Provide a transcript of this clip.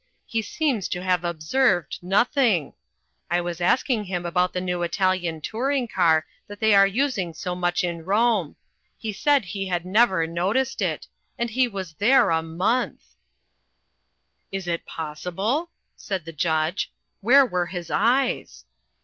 He seems to have observed nothing. I was asking him about the new Italian touring car that they are using so much in Rome. He said he had never noticed it. And he was there a month!" "Is it possible?" said the Judge. "Where were his eyes?"